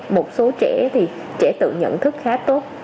một số trẻ thì trẻ tự nhận thức khá tốt